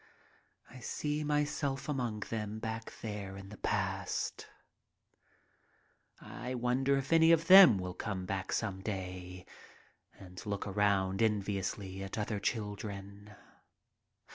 I see myself among them back there in the past. I wonder if any of them will come back some day and look around enviously at other children.